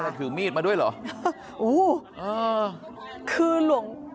นี่อะไรถือมีดมาด้วยเหรอ